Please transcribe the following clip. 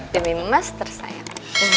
demi mas tersayang